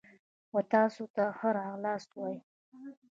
و تاسو ته ښه راغلاست وایو.